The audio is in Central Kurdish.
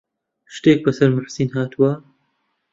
شتێک بەسەر موحسین هاتووە؟